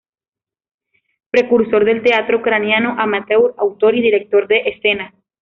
Precursor del teatro ucraniano amateur, autor y director de escena.